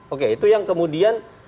oke itu yang kemudian